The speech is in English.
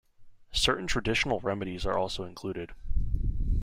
Certain traditional remedies are also included.